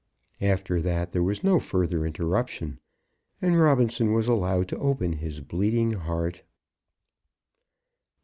After that there was no further interruption, and Robinson was allowed to open his bleeding heart.